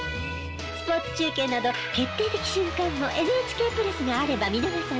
スポーツ中継など決定的瞬間もＮＨＫプラスがあれば見逃さない。